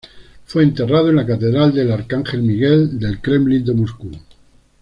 Fue enterrado en la Catedral del Arcángel Miguel del Kremlin de Moscú.